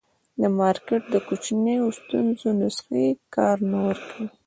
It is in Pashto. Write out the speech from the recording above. د مارکېټ د کوچنیو ستونزو نسخې کار نه ورکوي.